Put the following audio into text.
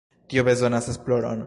Tio bezonas esploron.